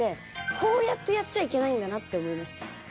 こうやってやっちゃいけないんだなって思いました。